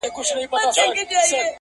کابل منتر وهلی.!